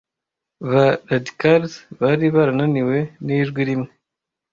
Ba radicals bari barananiwe n'ijwi rimwe.